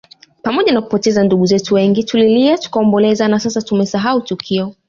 Pamoja na kupoteza ndugu zetu wengi tulilia tukaomboleza na sasa tumesahau tukio